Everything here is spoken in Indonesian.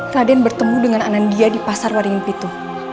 raden bertemu dengan anandia di pasar waringin pitu